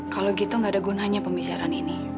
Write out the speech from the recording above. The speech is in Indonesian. kalau gitu nggak ada gunanya pembicaraan ini